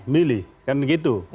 memilih kan gitu